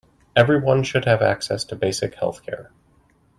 Everyone should have access to basic health-care.